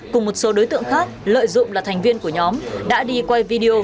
cùng một số đối tượng khác lợi dụng là thành viên của nhóm đã đi quay video